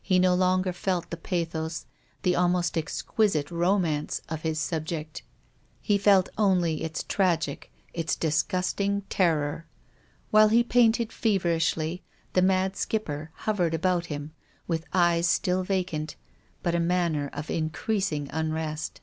He no longer felt the pathos, the almost exquisite romance, of his subject. He felt only its tragic, its disgusting terror. While he painted feverishly the mad Skipper hovered about him, with eyes still THE GRAVE. 95 vacant but a manner of increasing unrest.